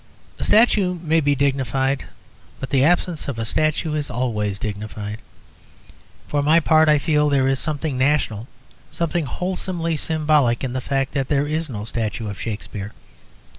A statue may be dignified; but the absence of a statue is always dignified. For my part, I feel there is something national, something wholesomely symbolic, in the fact that there is no statue of Shakspere.